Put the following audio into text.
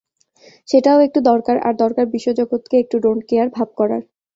সেটাও একটু দরকার আর দরকার বিশ্বজগৎকে একটু ডোন্ট কেয়ার করার ভাব।